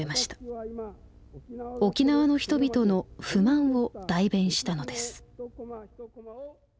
沖縄の人々の不満を代弁したのです。